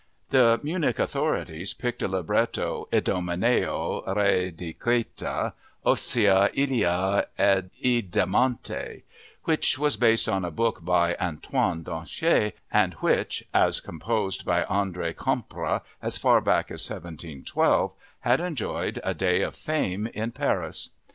The Munich authorities picked a libretto Idomeneo, re di Creta; ossia Ilia ed Idamante, which was based on a book by Antoine Danchet and which, as composed by André Campra as far back as 1712, had enjoyed a day of fame in Paris.